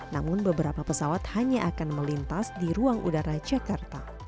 namun beberapa pesawat hanya akan melintas di ruang udara jakarta